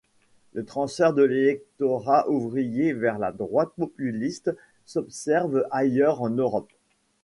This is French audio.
Le transfert de l'électorat ouvrier vers la droite populiste s'observe ailleurs en Europe.